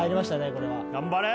これは頑張れ！